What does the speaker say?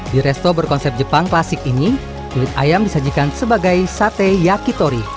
di resto berkonsep jepang klasik ini kulit ayam disajikan sebagai sate yakitori